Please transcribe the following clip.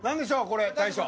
これ大将。